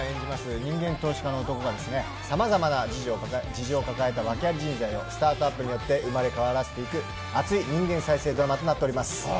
人間投資家の男がさまざまな事情を抱えた訳アリ人材をスタートアップによって生まれ変わらせていく熱い人間再生ドラマとなっております。